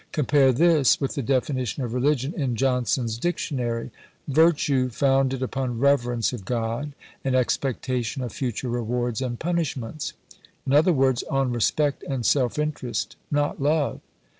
Compare this with the definition of Religion in Johnson's Dictionary: "Virtue founded upon reverence of God and expectation of future rewards and punishments"; in other words on respect and self interest, not love.